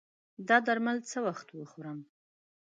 دا درمل څه وخت وخورم؟